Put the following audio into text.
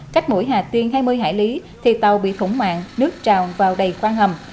cách mũi hà tiên hai mươi hải lý thì tàu bị thủng mạng nước trào vào đầy khoan hầm